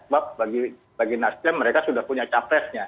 sebab bagi nasdem mereka sudah punya capresnya